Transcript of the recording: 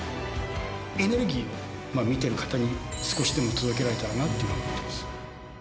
エネルギーを、見てる方に、少しでも届けられたらなと思います。